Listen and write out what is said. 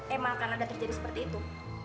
emang akan ada terjadi seperti itu